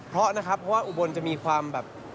เพราะนะครับเพราะว่าอุบลจะมีความแบบ